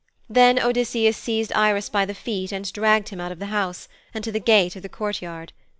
Then Odysseus seized Irus by the feet, and dragged him out of the house, and to the gate of the courtyard.